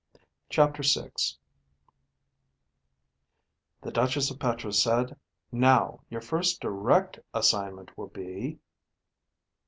CHAPTER VI The Duchess of Petra said, "Now, your first direct assignment will be